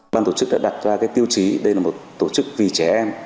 ban tổ chức đã đặt ra tiêu chí đây là một tổ chức vì trẻ em